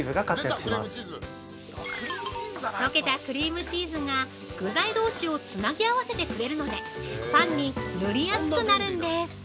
◆溶けたクリームチーズが具材同士をつなぎ合わせてくれるので、パンに塗りやすくなるんです。